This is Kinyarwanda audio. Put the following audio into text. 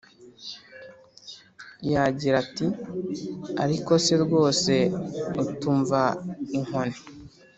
yagira ati ariko se rwose uti umva inkoni